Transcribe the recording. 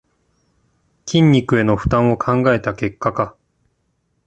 筋肉への負担を考えた結果か